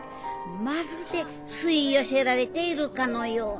まるで吸い寄せられているかのように。